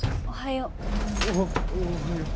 おはよう。